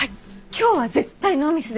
今日は絶対ノーミスでいける。